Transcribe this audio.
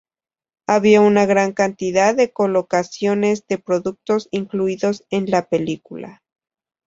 Había una gran cantidad de colocaciones de productos incluidos en la película.